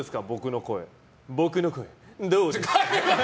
僕の声、どうですか？